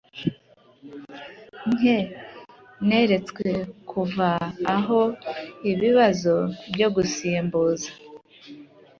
nke neretswe kuva aho ibibazo byo gusimbuza